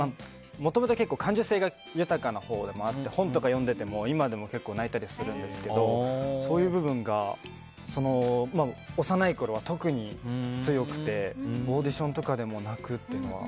もともと感受性が豊かなほうでもあって本とか読んでても今でも泣いたりするんですけどそういう部分が幼いころは特に強くてオーディションとかでも泣くっていうのは。